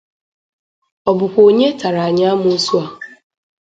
Ọ bụkwa onye tara anyị amosu a?